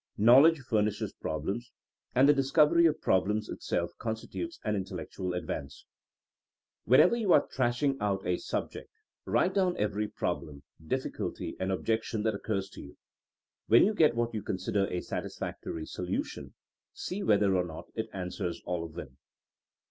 Knowledge furnishes problems, and the discovery of problems itself constitutes an intellectual advance. THINEINO AS A SCIENCE 49 Whenever you are thrashing out a subject, write down every problem, diflSculty and objec tion that occurs to you. When you get what you consider a satisfactory solution, see whether or not it answers all of them.